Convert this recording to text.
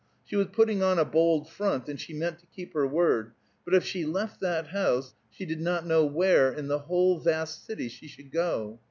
She was putting on a bold front, and she meant to keep her word, but if she left that house, she did not know where, in the whole vast city, she should go.